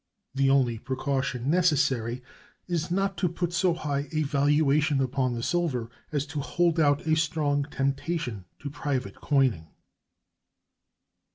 The only precaution necessary is, not to put so high a valuation upon the silver as to hold out a strong temptation to private coining.